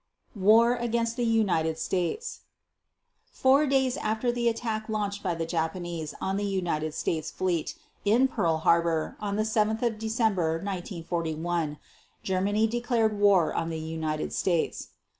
War against the United States Four days after the attack launched by the Japanese on the United States fleet in Pearl Harbor on 7 December 1941, Germany declared war on the United States.